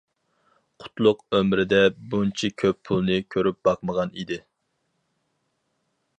قۇتلۇق ئۆمرىدە بۇنچە كۆپ پۇلنى كۆرۈپ باقمىغان ئىدى.